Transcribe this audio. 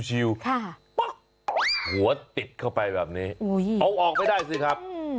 หัวติดเข้าไปแบบนี้เอาออกไม่ได้สิครับ